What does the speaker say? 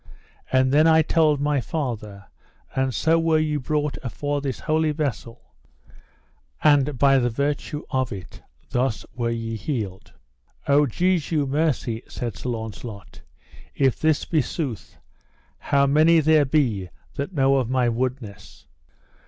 And then I told my father, and so were ye brought afore this holy vessel, and by the virtue of it thus were ye healed. O Jesu, mercy, said Sir Launcelot; if this be sooth, how many there be that know of my woodness!